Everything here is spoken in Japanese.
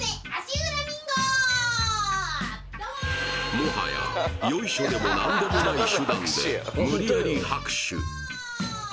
もはやヨイショでも何でもない手段で無理やり拍手